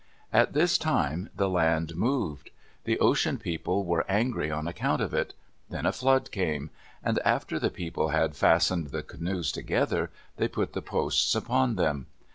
At this time the land moved. The Ocean People were angry on account of it. Then a flood came. And after the people had fastened the canoes together, they put the posts upon them.